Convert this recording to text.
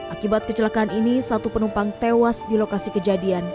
akibat kecelakaan ini satu penumpang tewas di lokasi kejadian